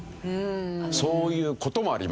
そういう事もあります。